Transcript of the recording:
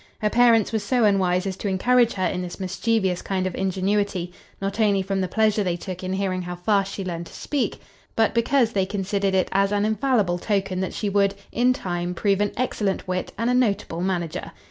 Her parents were so unwise as to encourage her in this mischievous kind of ingenuity, not only from the pleasure they took in hearing how fast she learned to speak, but because they considered it as an infallible token that she would, in time, prove an excellent wit and a notable manager.